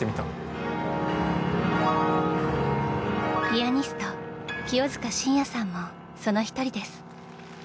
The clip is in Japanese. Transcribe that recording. ピアニスト、清塚信也さんもその１人です。